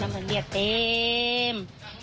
น้ำมันเรียดเต็ม